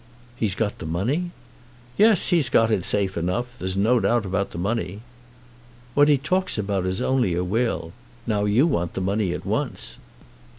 "He's got the money?" "Yes; he has got it safe enough. There's no doubt about the money." "What he talks about is only a will. Now you want the money at once."